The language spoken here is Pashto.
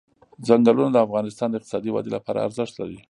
چنګلونه د افغانستان د اقتصادي ودې لپاره ارزښت لري.